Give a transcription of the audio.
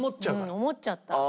うん思っちゃった。